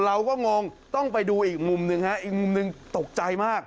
งงต้องไปดูอีกมุมหนึ่งฮะอีกมุมหนึ่งตกใจมาก